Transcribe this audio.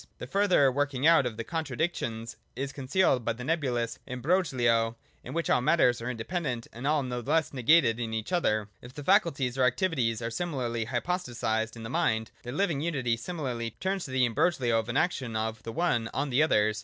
The further working out of the contradictions is con cealed by the nebulous imbrogho in which all matters are independent and all no less negated in each other. — If the faculties or activities are similarly hypostatised in the mind, their living unity similarly turns to the imbroglio of an action of the one on the others.